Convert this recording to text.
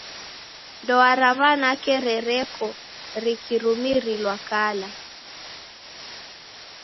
Ndoa ra w'anake rereko rikirumirilwa kala.